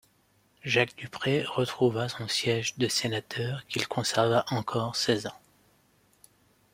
Jacques Dupré retrouva son siège de sénateur qu'il conserva encore seize ans.